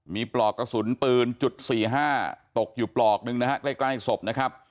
มีปลอกกระสุนปืนจุด๔๕ตกอยู่ปลอกหนึ่งนะฮะใกล้ศพนะครับ